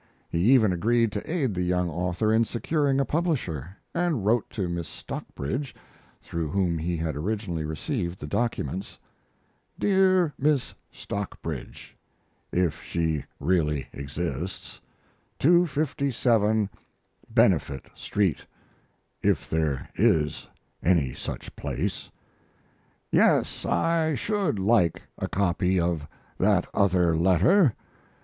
He even agreed to aid the young author in securing a publisher, and wrote to Miss Stockbridge, through whom he had originally received the documents: DEAR MISS STOCKBRIDGE (if she really exists), 257 Benefit Street (if there is any such place): Yes, I should like a copy of that other letter.